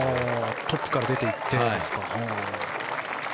トップから出て行ってですね。